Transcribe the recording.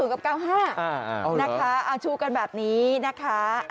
๓๕๐กับ๙๕นะคะชูกันแบบนี้นะคะ